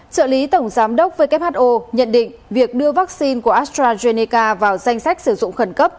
trợ lý tổng giám đốc who nhận định việc đưa vaccine của astrazeneca vào danh sách sử dụng khẩn cấp